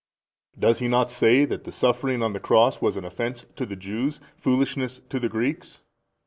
A. Does he not say that the Suffering on the cross was an offence to the Jews, foolishness to the Greeks?